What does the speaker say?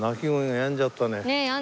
やんじゃったね。